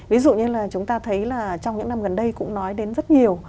ví dụ như là chúng ta thấy là trong những năm gần đây cũng nói đến rất nhiều